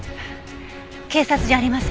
警察じゃありません。